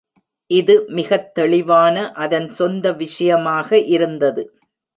இது மிகத்தெளிவாக அதன் சொந்த விஷயமாக இருந்தது.